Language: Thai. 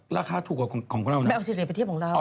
ราคาถูกกว่าของของเรานะ